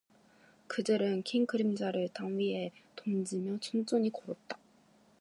그들은 긴 그림자를 땅 위에 던지며 천천히 걸었다.